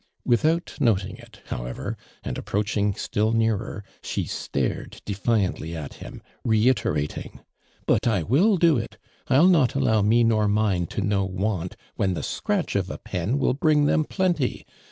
Without noting it however and approach ing still neai'er, she stared defiantly at him, reiterating: " But I will do it. I'll not allow me nor mine to know want when the scratch of a pen will bring them plenty.